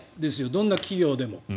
どんな企業でも。